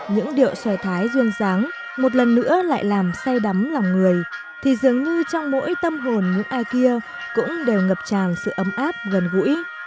những điệu xòe thái duyên dáng một lần nữa lại làm say đắm lòng người thì dường như trong mỗi tâm hồn những ai kia cũng đều ngập tràn sự ấm áp gần gũi